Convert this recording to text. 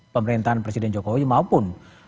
pemerintahan presiden jokowi maupun